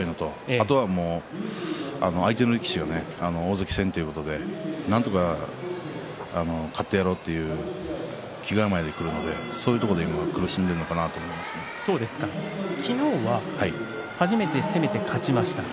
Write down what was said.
あとは相手の力士が大関戦ということで、なんとか勝ってやろうという気構えでくるのでそういうところで昨日は初めて攻めて勝ちました。